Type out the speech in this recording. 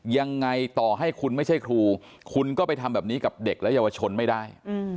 ยังไงต่อให้คุณไม่ใช่ครูคุณก็ไปทำแบบนี้กับเด็กและเยาวชนไม่ได้